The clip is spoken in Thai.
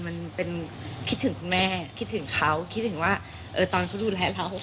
มันเป็นคิดถึงคุณแม่คิดถึงเขาคิดถึงว่าตอนเขาดูแลเรา